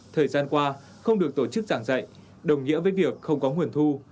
thời gian qua không được tổ chức giảng dạy đồng nghĩa với việc không có nguồn thu